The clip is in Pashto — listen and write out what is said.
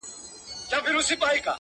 د الماسو یو غمی وو خدای راکړی,